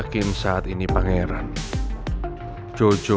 aku yakin saat ini pangeran jojo dan mel sudah ada di dalam penerbangan menuju new york